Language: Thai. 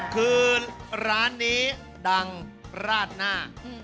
คือร้านนี้ดังราดหน้า